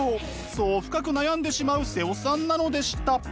そう深く悩んでしまう妹尾さんなのでした。